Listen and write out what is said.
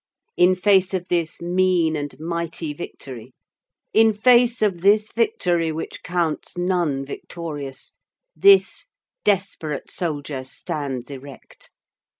In face of this mean and mighty victory, in face of this victory which counts none victorious, this desperate soldier stands erect.